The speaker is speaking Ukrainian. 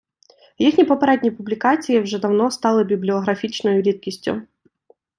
Їхні попередні публікації вже давно стали бібліографічною рідкістю.